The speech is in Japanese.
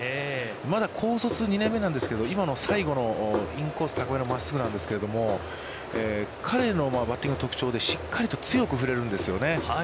まだ高卒２年目なんですけれども、今の最後のインコース高めの真っすぐなんですけれども、彼のバッティングの特徴で、しっかりと強く振れるんですよね。